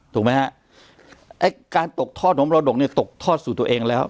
ถูกไหมฮะไอ้การตกทอดของมรดกเนี่ยตกทอดสู่ตัวเองแล้ว